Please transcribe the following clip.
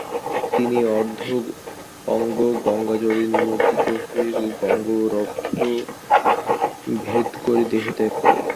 তিনি অর্ধ অঙ্গ গঙ্গাজলে নিমজ্জিত হয়ে ব্রহ্মরন্ধ্র ভেদ করে দেহত্যাগ করেন।